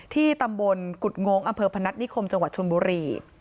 ที่ตำบลกุฎงอำเภอพนัฐนิคมจังหวัดชนบุรี